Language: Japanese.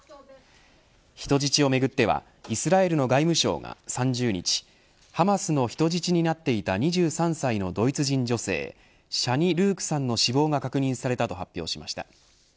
人質をめぐってはイスラエルの外務省は３０日ハマスの人質になっていた２３歳のドイツ人女性シャニ・ニークさんの死亡が確認されたと発表しました。